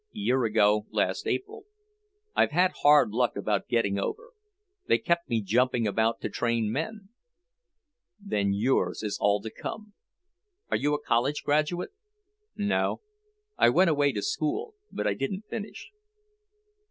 "Year ago last April. I've had hard luck about getting over. They kept me jumping about to train men." "Then yours is all to come. Are you a college graduate?" "No. I went away to school, but I didn't finish."